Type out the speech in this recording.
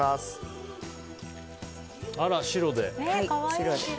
あら、白で。